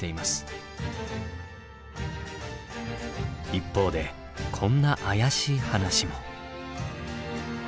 一方でこんな怪しい話も。